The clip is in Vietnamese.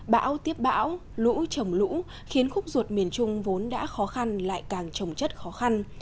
bão tiếp bão lũ trồng lũ khiến khúc ruột miền trung vốn đã khó khăn lại càng trồng chất khó khăn